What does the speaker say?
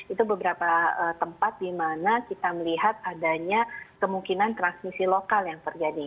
itu beberapa tempat di mana kita melihat adanya kemungkinan transmisi lokal yang terjadi